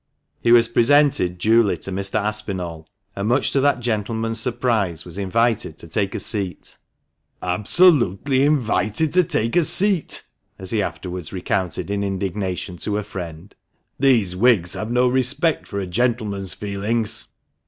He was presented duly to Mr. Aspinall, and much to that gentleman's surprise, was invited to take a seat. THE MANCHESTER MAN. 28i "Absolutely invited to take a seat;" as he afterwards recounted in indignation to a friend ;" these Whigs have no respect for a gentleman's feelings."